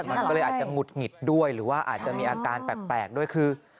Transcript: มันก็เลยอาจจะหงุดหงิดด้วยหรือว่าอาจจะมีอาการแปลกด้วยคือ